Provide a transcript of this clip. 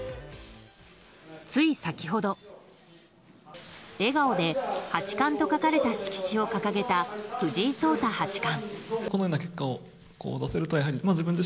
つい先ほど笑顔で、八冠と書かれた色紙を掲げた藤井聡太八冠。